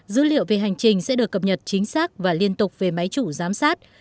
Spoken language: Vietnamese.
dữ liệu về hành trình sẽ được cập nhật chính xác và liên tục về máy chủ giám sát